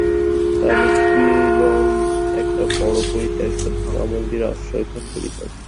তখন বিল্বন একটা বড়ো পরিত্যক্ত ভাঙা মন্দিরে আশ্রয় গ্রহণ করিলেন।